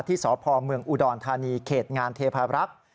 ที่สพเมืองอุดรธานีเขตงานเทพารักษ์